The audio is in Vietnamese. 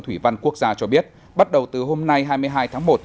thủy văn quốc gia cho biết bắt đầu từ hôm nay hai mươi hai tháng một